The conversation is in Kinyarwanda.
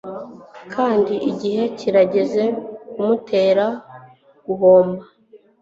Kandi igihe kirageze kimutera guhomba